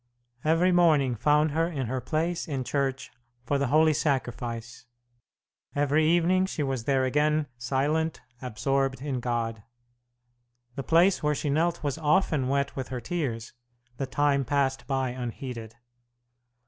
Every morning found her in her place in church for the Holy Sacrifice; every evening she was there again, silent, absorbed in God. The place where she knelt was often wet with her tears; the time passed by unheeded.